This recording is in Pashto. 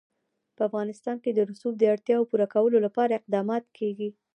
په افغانستان کې د رسوب د اړتیاوو پوره کولو لپاره اقدامات کېږي.